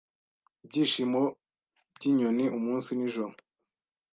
Ibyishimo byinyoni Umunsi nijoro